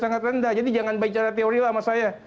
sangat rendah jadi jangan bicara teori lah sama saya